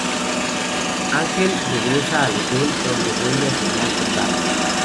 Ángel regresa al hotel donde vuelve a soñar con Darla.